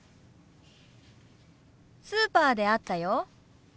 スーパーで会ったよ。